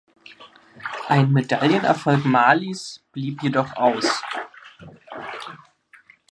Ein Medaillenerfolg Malis blieb jedoch aus.